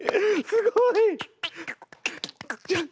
すごい！